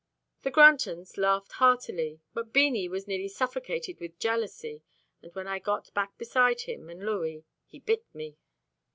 The Grantons laughed heartily, but Beanie was nearly suffocated with jealousy, and when I got back beside him and Louis, he bit me.